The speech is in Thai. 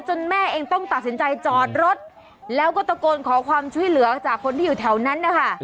แม่เองต้องตัดสินใจจอดรถแล้วก็ตะโกนขอความช่วยเหลือจากคนที่อยู่แถวนั้นนะคะ